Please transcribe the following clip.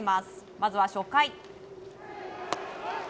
まずは初回。